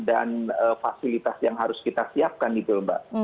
dan fasilitas yang harus kita siapkan itu mbak